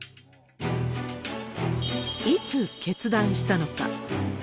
いつ決断したのか。